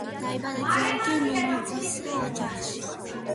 დაიბადა გიორგი ნინიძის ოჯახში.